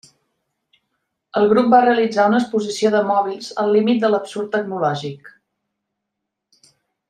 El grup va realitzar una exposició de mòbils al límit de l'absurd tecnològic.